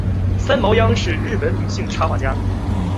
三毛央是日本女性插画家。